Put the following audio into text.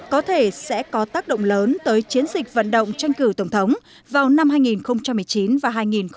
có thể sẽ có tác động lớn tới chiến dịch vận động tranh cử tổng thống vào năm hai nghìn một mươi chín và hai nghìn hai mươi